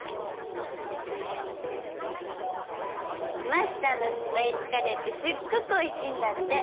マスターのスパイスカレーってすっごくおいしいんだって。